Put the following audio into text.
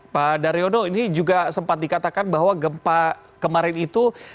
pak daryono ini juga sempat dikatakan bahwa gempa kemarin itu